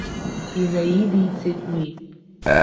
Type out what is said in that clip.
Инаидиҵеит уи.